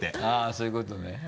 あぁそういうことね。